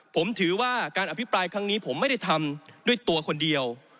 ผมถือว่าการอภิปรายครั้งนี้ผมไม่ได้ทำด้วยตัวคนเดียว